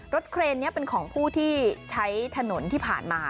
เครนนี้เป็นของผู้ที่ใช้ถนนที่ผ่านมา